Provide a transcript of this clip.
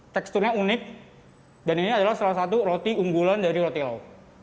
teksturnya unik dan ini adalah salah satu roti unggulan dari roti laut